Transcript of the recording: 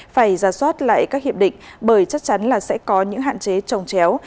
phải ra soát lại các hiệp định bởi chắc chắn là sẽ có những hạn chế trồng chéo